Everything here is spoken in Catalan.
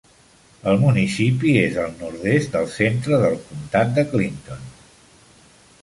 El municipi és al nord-est del centre del comtat de Clinton.